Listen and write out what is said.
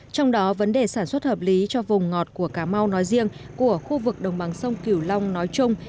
trong đó vấn đề sản xuất hợp lý cho vùng ngọt của cà mau nói riêng của khu vực đồng bằng sông cửu long nói chung